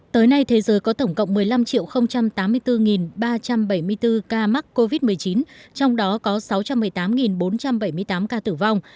tới nay thế giới có tổng cộng một mươi năm tám mươi bốn ba trăm bảy mươi bốn ca mắc covid một mươi chín trong đó có sáu trăm một mươi tám bốn trăm bảy mươi tám ca tử vong